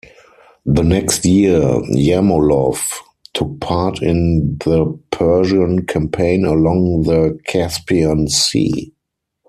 The next year, Yermolov took part in the Persian Campaign along the Caspian Sea.